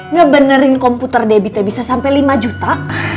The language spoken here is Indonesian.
nggak benerin komputer debbie t bisa sampai lima juta